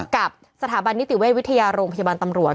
กับสถาบันนิติเวชวิทยาโรงพยาบาลตำรวจ